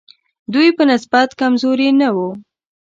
دوی په نسبت کمزوري نه وو.